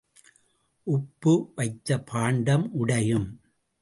உப்பு வைத்த பாண்டம் உடையும்.